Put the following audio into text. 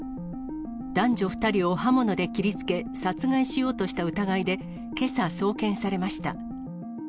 男女２人を刃物で切りつけ、殺害しようとした疑いで、けさ、送検されました。